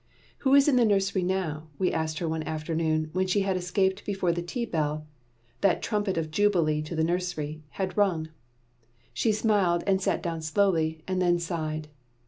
"Who is in the nursery now?" we asked her one afternoon when she had escaped before the tea bell, that trumpet of jubilee to the nursery, had rung. She smiled and sat down slowly, and then sighed.